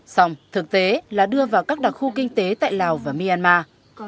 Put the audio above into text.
xong thực tế là đưa vào các đặc khu kinh tế tại lào và myanmar